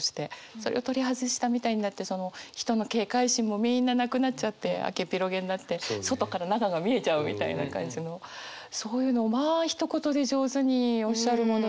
それを取り外したみたいになって人の警戒心もみんななくなっちゃって開けっぴろげになって外から中が見えちゃうみたいな感じのそういうのをまあひと言で上手におっしゃるものだな。